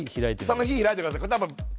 草の日開いてください